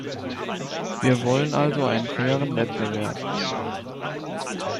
Wir wollen also einen fairen Wettbewerb.